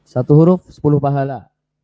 satu huruf sepuluh pahala